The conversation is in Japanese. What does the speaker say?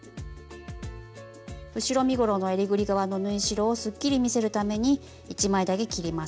後ろ身ごろのえりぐり側の縫い代をすっきり見せるために１枚だけ切ります。